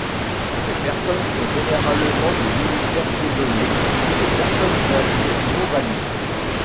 Ces personnes sont généralement des militaires, prisonniers ou des personnes âgées non valides.